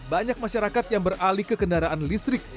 banyak masyarakat yang beralih ke kendaraan listrik